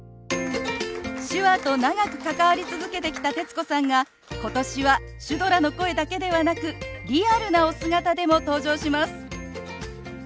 手話と長く関わり続けてきた徹子さんが今年はシュドラの声だけではなくリアルなお姿でも登場します。